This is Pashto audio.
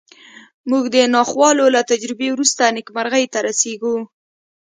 موږ د ناخوالو له تجربې وروسته نېکمرغۍ ته رسېږو